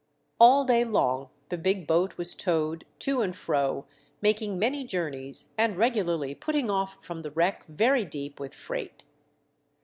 All day long the big boat was towed to and fro, making many journeys and regularly putting off from the wreck very deep with freight.